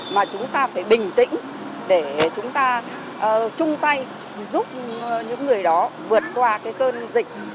mà chúng ta phải bình tĩnh để chúng ta chung tay giúp những người đó vượt qua cái cơn dịch